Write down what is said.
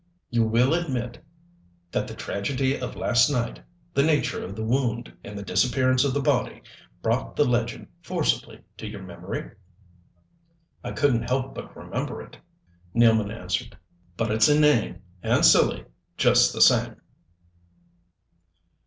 "You will admit that the tragedy of last night, the nature of the wound and the disappearance of the body, brought the legend forcibly to your memory?" "I couldn't help but remember it," Nealman answered. "But it's inane and silly just the same."